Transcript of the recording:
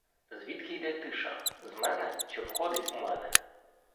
Звідки йде тиша — з мене чи входить у мене?